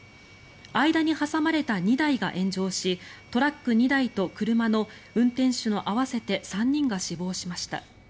間に挟まれた２台が炎上しトラック２台と車の運転手の合わせて３人が死亡しました。